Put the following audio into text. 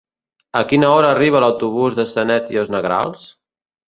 A quina hora arriba l'autobús de Sanet i els Negrals?